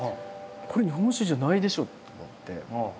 これ日本酒じゃないでしょと思って。